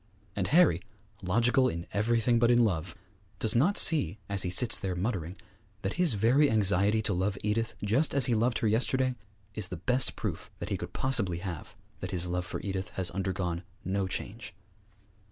And Harry, logical in everything but in love, does not see, as he sits there muttering, that his very anxiety to love Edith just as he loved her yesterday is the best proof that he could possibly have that his love for Edith has undergone no change.